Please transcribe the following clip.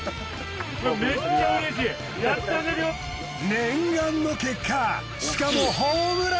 念願の結果しかもホームラン。